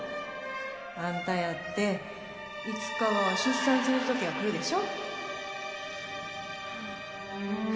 あんたやって、いつかは出産するときが来るでしょ。